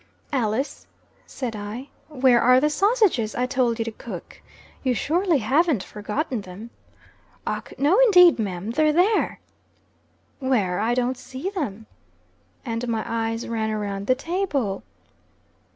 "Alice," said I, "where are the sausages I told you to cook? You surely hav'nt forgotten them?" "Och, no indade, mum. They're there." "Where? I don't see them." And my eyes ran around the table.